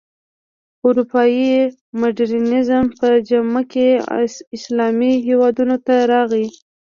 اروپايي مډرنیزم په جامه کې اسلامي هېوادونو ته راغی.